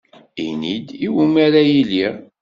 Ini-d, iwumi ara iliɣ?